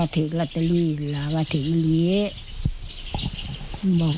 เตรียมผู้เจ้ามากกว่าเดี๋ยวเงินถูกแม่